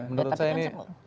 menurut saya ini